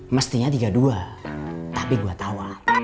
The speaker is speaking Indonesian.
mestinya tiga puluh dua tapi gue tau